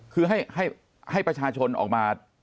คือให้ประชาชนออกมา